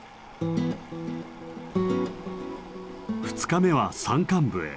２日目は山間部へ。